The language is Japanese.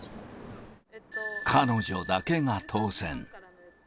彼女だけが当せん。